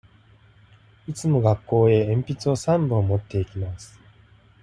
いつも学校へ鉛筆を三本持って行きます。